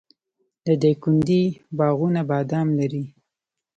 د دایکنډي باغونه بادام لري.